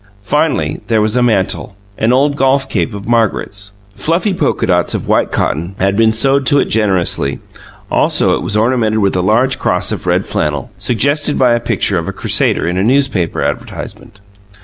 Finally there was a mantle, an old golf cape of Margaret's. Fluffy polka dots of white cotton had been sewed to it generously; also it was ornamented with a large cross of red flannel, suggested by the picture of a Crusader in a newspaper advertisement.